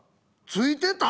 付いてた？